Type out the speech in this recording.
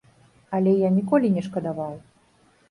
Але я ніколі не шкадаваў.